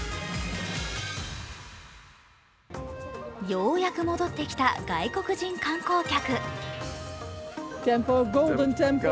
ようやく戻ってきた外国人観光客。